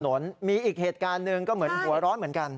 ถนนมีอีกเหตุการณ์หนึ่งก็เหมือนหัวร้อนเหมือนกัน